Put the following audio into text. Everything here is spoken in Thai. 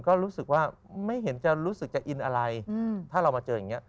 ก็รู้สึกว่าไม่เห็นจะรู้สึกจะอินอะไรถ้าเรามาเจออย่างนี้